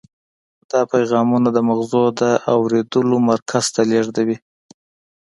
دا پیغامونه د مغزو د اورېدلو مرکز ته لیږدوي.